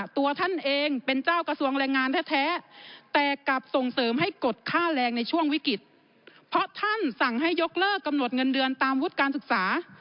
ท่านจะยกเลิกกำหนดเงินเดือนตามวุฒิการศึกษา